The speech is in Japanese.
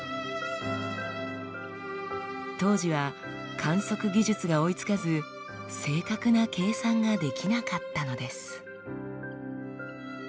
当時は観測技術が追いつかず正確な計算ができなかったのです。